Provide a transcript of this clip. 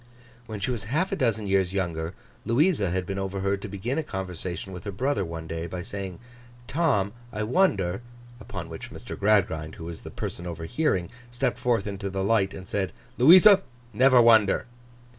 When she was half a dozen years younger, Louisa had been overheard to begin a conversation with her brother one day, by saying 'Tom, I wonder'—upon which Mr. Gradgrind, who was the person overhearing, stepped forth into the light and said, 'Louisa, never wonder!